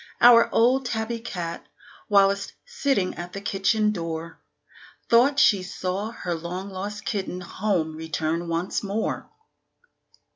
Our old Tabby cat, whilst sitting at the kitchen door, Thought she saw her long lost kitten home returned once more.